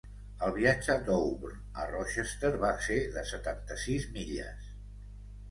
El viatge d'Auburn a Rochester va ser de setanta-sis milles.